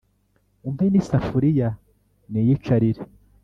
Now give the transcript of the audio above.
umpe n'isafuriya niyicarire